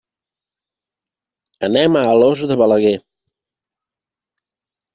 Anem a Alòs de Balaguer.